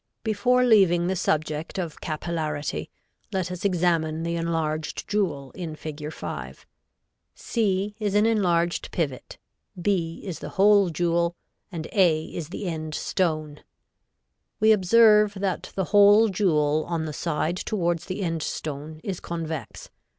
Before leaving the subject of capillarity let us examine the enlarged jewel in Fig. 5; c is an enlarged pivot, b is the hole jewel and a is the end stone. We observe that the hole jewel on the side towards the end stone is convex.